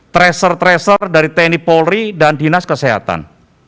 tracer tracer dari tni polri dan dinas kesehatan